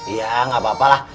ya nggak apa apa lah